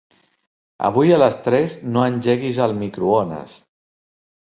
Avui a les tres no engeguis el microones.